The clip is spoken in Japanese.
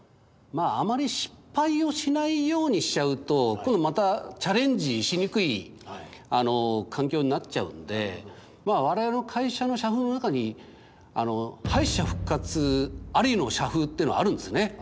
あまり失敗をしないようにしちゃうと今度またチャレンジしにくい環境になっちゃうんで我々の会社の社風の中に敗者復活ありの社風っていうのあるんですね。